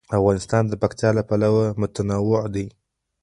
افغانستان د پکتیا له پلوه متنوع دی.